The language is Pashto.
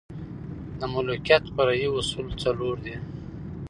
د ملوکیت فرعي اصول څلور دي.